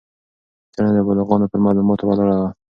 څېړنه د بالغانو پر معلوماتو ولاړه وه.